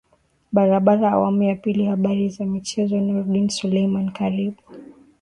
barabara awamu ya pili habari za michezo nurdin selumani karibu